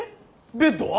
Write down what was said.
ベッドは？